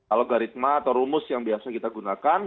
alogaritma atau rumus yang biasa kita gunakan